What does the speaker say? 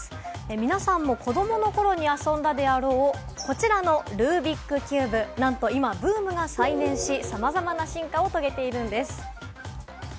皆さんも子どもの頃に遊んだであろうこちらのルービックキューブ、なんと今ブームが再燃し、さまざまな進化を遂げているんです。